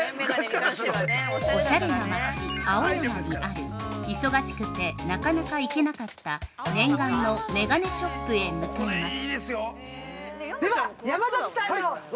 ◆おしゃれな街、青山にある忙しくてなかなか行けなかった念願の眼鏡ショップへ向かいます！